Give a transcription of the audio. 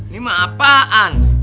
ini mah apaan